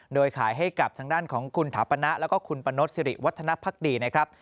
โดยขายให้กับทางด้านของคุณถาปนะแล้วก็คุณปนดสิริวัฒนภักดีนะครับ